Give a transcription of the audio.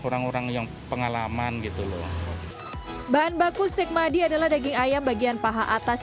orang orang yang pengalaman gitu loh bahan baku steak madi adalah daging ayam bagian paha atas